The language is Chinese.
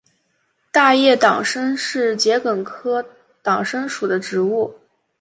大叶党参是桔梗科党参属的植物。